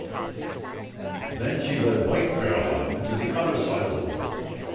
' Then she led White Caroline to the other side of the water.